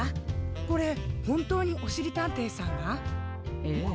これほんとうにおしりたんていさんが？ええ。